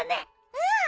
うん。